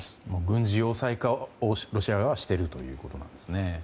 軍事要塞化をロシア側がしているということですね。